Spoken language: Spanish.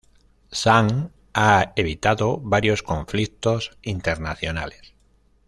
Sam ha evitado varios conflictos internacionales.